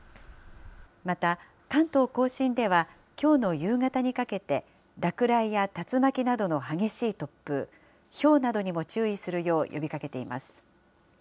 また、関東甲信ではきょうの夕方にかけて、落雷や竜巻などの激しい突風、ひょうなどにも注意するよう呼びかけています。